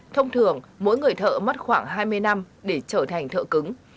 thông thường mỗi người thợ mất khoảng hai mươi năm để trở thành thợ cứng